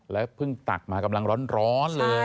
แล้วเพิ่งตักมากำลังร้อนเลย